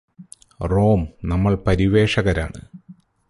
Rome നമ്മൾ പരിവേഷകാരാണ്